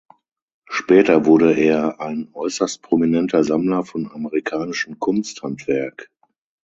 Später wurde er ein äußerst prominenter Sammler von amerikanischen Kunsthandwerk.